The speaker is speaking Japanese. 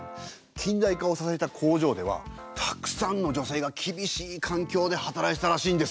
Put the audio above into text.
近代化を支えた工場ではたくさんの女性が厳しいかんきょうで働いてたらしいんですよ！